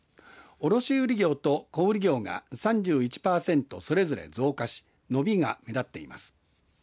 卸売業と小売業が３１パーセントそれぞれ増加し伸びが目立っています。